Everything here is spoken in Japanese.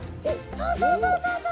そうそうそうそうそう！